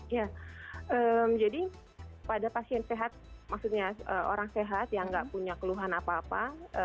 ya jadi pada pasien sehat maksudnya orang sehat yang nggak punya keluhan apa apa